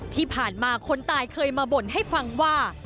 ที่ผ่านมาคนตายเคยมาบ่นให้ฟังว่า